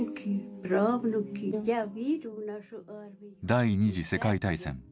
第２次世界大戦。